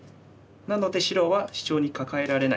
なので白はシチョウにカカえられない。